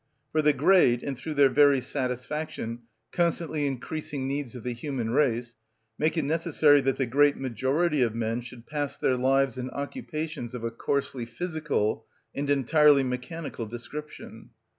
For the great, and through their very satisfaction, constantly increasing needs of the human race make it necessary that the great majority of men should pass their lives in occupations of a coarsely physical and entirely mechanical description.